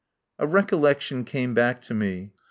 A recollection came back to me.